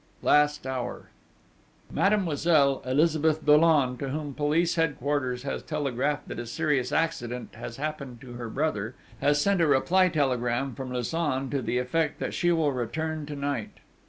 Last Hour Mademoiselle Elizabeth Dollon, to whom Police Headquarters has telegraphed that a serious accident has happened to her brother, has sent a reply telegram from Lausanne to the effect that she will return to night.